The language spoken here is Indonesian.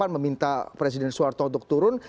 meminta presiden soeharto untuk turun